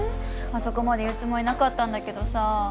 あそこまで言うつもりなかったんだけどさ